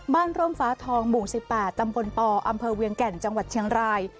ร่มฟ้าทองหมู่๑๘ตำบลปอำเภอเวียงแก่นจังหวัดเชียงราย